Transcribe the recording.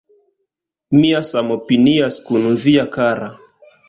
Mia samopinias kun via kara